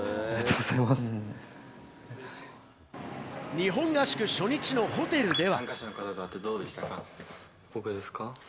日本合宿初日のホテルでは。